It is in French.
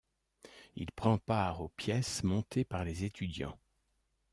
Il prend part aux pièces montées par les étudiants.